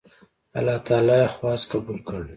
الله تعالی یې خواست قبول کړ.